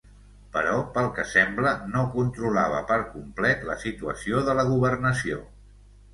Però pel que sembla, no controlava per complet la situació de la governació.